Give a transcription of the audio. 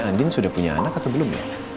adin sudah punya anak atau belum